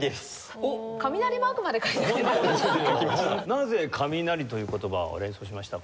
なぜ「雷」という言葉を連想しましたか？